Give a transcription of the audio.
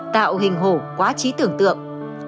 tạo hình hổ quá trí tưởng tượng